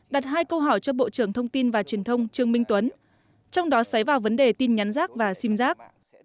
đặt hai câu hỏi cho bộ trưởng thông tin và truyền thông trương minh tuấn trong đó xoáy vào vấn đề tin nhắn rác và sim giác